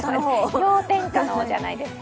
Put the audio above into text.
氷点下の方じゃないですか。